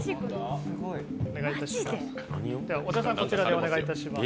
小田さん、こちらでお願いします。